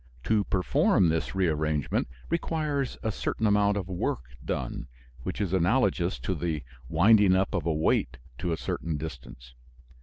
To perform this rearrangement requires a certain amount of work done, which is analogous to the winding up of a weight to a certain distance.